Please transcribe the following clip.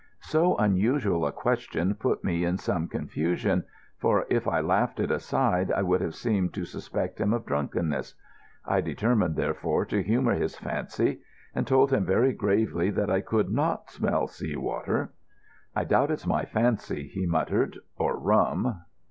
So unusual a question put me in some confusion, for if I laughed it aside I would have seemed to suspect him of drunkenness. I determined therefore to humour his fancy, and told him very gravely that I could not smell sea water. "I doubt it's my fancy," he muttered. "Or rum.